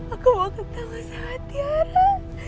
aku mau ketemu sama tiara